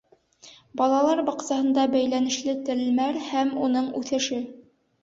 Балалар баҡсаһында бәйләнешле телмәр һәм уның үҫеше.